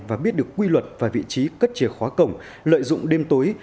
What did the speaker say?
và biết được quy luật và vị trí cất chìa khóa cổng lợi dụng đêm tối